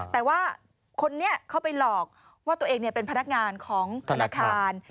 แต่ว่าคนนี้เข้าไปหลอกว่าตัวเองเป็นพนักงานของธนาคาร